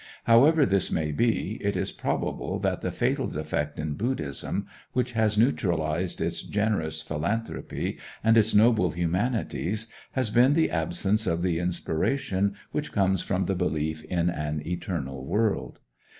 However this may be, it is probable that the fatal defect in Buddhism which has neutralized its generous philanthropy and its noble humanities has been the absence of the inspiration which comes from the belief in an eternal world.